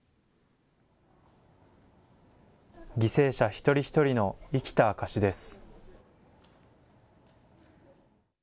犠牲者一人一人の生きた証しです。